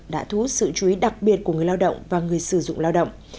đã thú sự chú ý đặc biệt của người lao động và người sử dụng lao động